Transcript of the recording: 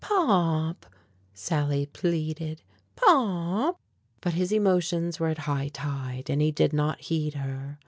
"Pop!" Sally pleaded, "Pop!" But his emotions were at high tide and he did not heed her.